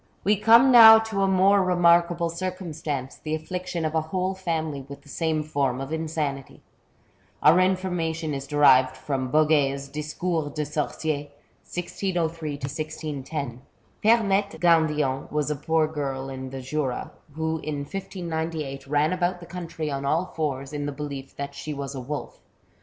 We come now to a more remarkable circumstance, the affliction of a whole family with the same form of insanity. Our information is derived from Boguet's Discours de Sorciers, 1603 — 1610. Pemette Gandillon was a poor girl in the Jura, who in 1598 ran about the country on all fours, in the belief that she was a wolf.